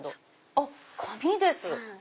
あっ紙です。